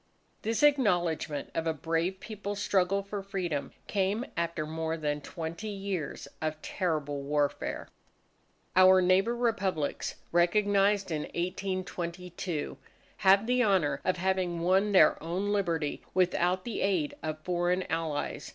This acknowledgment of a brave People's struggle for freedom, came after more than twenty years of terrible warfare. Our neighbour Republics recognized in 1822, have the honour of having won their own Liberty without the aid of foreign Allies.